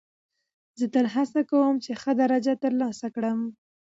زه تل هڅه کوم، چي ښه درجه ترلاسه کم.